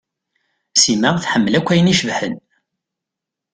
Sima tḥemmel akk ayen icebḥen.